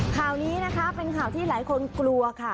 ข่าวนี้นะคะเป็นข่าวที่หลายคนกลัวค่ะ